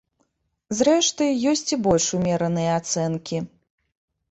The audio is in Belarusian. Зрэшты, ёсць і больш умераныя ацэнкі.